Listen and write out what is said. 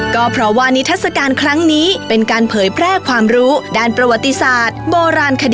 ก็เพราะว่านิทัศกาลครั้งนี้เป็นการเผยแพร่ความรู้ด้านประวัติศาสตร์โบราณคดี